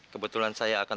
kebetulan saya akan